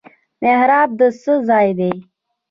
محراب د څه ځای دی؟